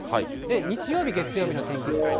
日曜日、月曜日の天気図です。